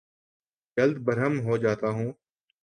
جلد برہم ہو جاتا ہوں